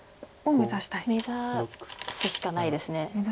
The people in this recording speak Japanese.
目指すしかないです。